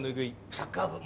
サッカー部？